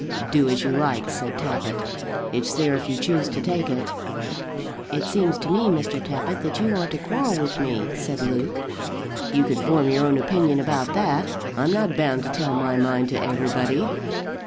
"Do as you like," said Tappitt. "It's there if you choose to take it." "It seems to me, Mr. Tappitt, that you want to quarrel with me," said Luke. "You can form your own opinion about that. I'm not bound to tell my mind to everybody."